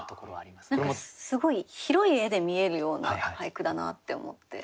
何かすごい広い絵で見えるような俳句だなって思って。